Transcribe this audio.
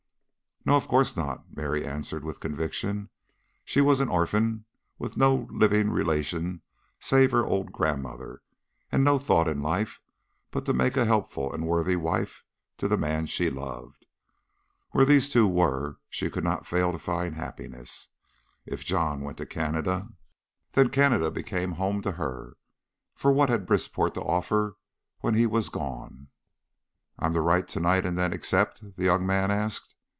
"No, of course not," Mary answered with conviction. She was an orphan with no living relation save her old grandmother, and no thought in life but to make a helpful and worthy wife to the man she loved. Where these two were she could not fail to find happiness. If John went to Canada, then Canada became home to her, for what had Brisport to offer when he was gone? "I'm to write to night then and accept?" the young man asked.